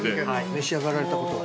召し上がられたことは？